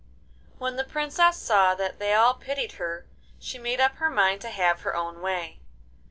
When the Princess saw that they all pitied her she made up her mind to have her own way.